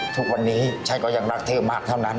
ทุกวันนี้ฉันก็ยังรักเธอมากเท่านั้น